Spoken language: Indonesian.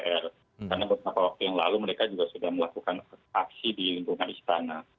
karena beberapa waktu yang lalu mereka juga sudah melakukan aksi di lingkungan istana